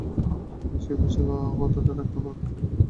সেই পয়সা কতটা রাখতে পারবেন, সেটা বলে দেওয়া কোনো জ্যোতিষীর কাজ নয়।